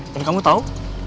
dan kamu tau